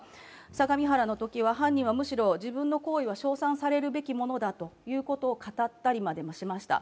相模原のときは犯人は、むしろ自分の行為は称賛されるべきものだと語ったりまでしました。